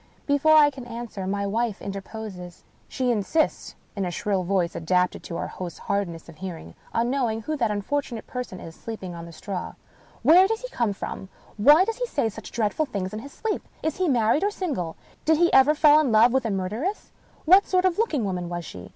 Before I can answer, my wife interposes. She insists (in a shrill voice, adapted to our host's hardness of hearing) on knowing who that unfortunate person is sleeping on the straw. "Where does he come from? Why does he say such dreadful things in his sleep? Is he married or single ? Did he ever fall in love with a murderess ? What sort of a looking woman was she